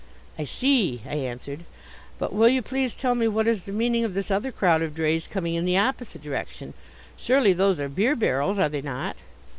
"I see," I answered. "But will you please tell me what is the meaning of this other crowd of drays coming in the opposite direction? Surely, those are beer barrels, are they not?"